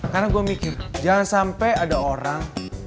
karena gue mikir jangan sampai ada orang